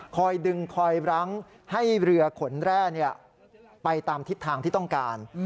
คอยดึงคอยรั้งให้เรือขนแร่ไปตามทิศทางที่ต้องการ